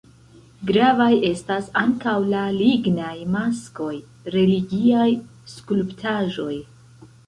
Gravaj estas ankaŭ la lignaj maskoj, religiaj skulptaĵoj.